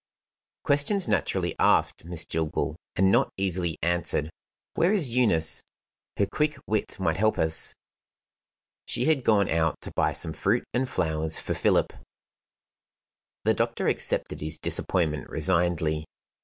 "Questions naturally asked, Miss Jillgall and not easily answered. Where is Eunice? Her quick wit might help us." She had gone out to buy some fruit and flowers for Philip. The doctor accepted his disappointment resignedly.